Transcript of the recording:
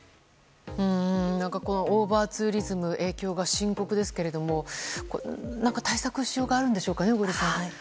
オーバーツーリズムの影響が深刻ですけれども何か対策しようがあるんでしょうかね、小栗さん。